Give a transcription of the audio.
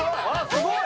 すごい！